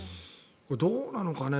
どうなのかね